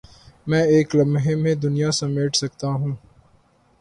میں ایک لمحے میں دنیا سمیٹ سکتا ہوں